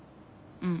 うん。